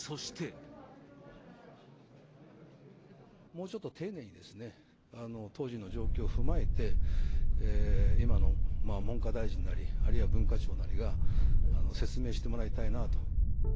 もうちょっと丁寧に当時の状況を踏まえて、今の文科大臣なり、あるいは文化庁なりが説明してもらいたいなと。